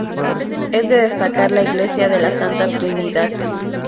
Es de destacar la Iglesia de la Santa Trinidad.